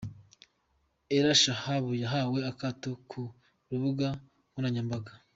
Ere shababu yahawe akato ku rubuga nkranyambaga